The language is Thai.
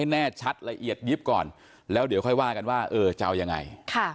แน่ชัดละเอียดยิบก่อนแล้วเดี๋ยวค่อยว่ากันว่าเออจะเอายังไง